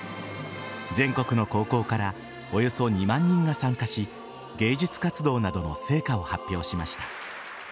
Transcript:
全国の高校からおよそ２万人が参加し芸術活動などの成果を発表しました。